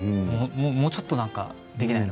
もうちょっとできないの？